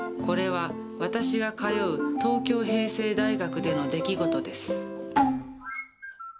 これは私が通う東京平成大学での出来事です。